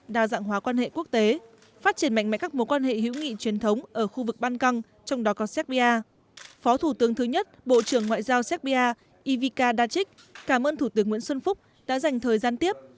đại sứ cuba herminio lópez díaz trân trọng cảm ơn thủ tướng nguyễn xuân phúc dành thời gian tiếp